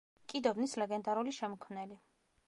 კიდობნის ლეგენდარული შემქმნელი.